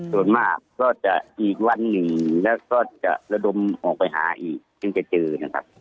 ส่วนมากก็จะอีกวันหนึ่งแล้วก็จะระดมออกไปหาอีกถึงจะเจอนะครับ